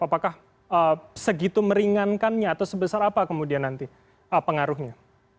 apakah segitu meringankannya atau sebesar apa kemudian nanti pengaruhnya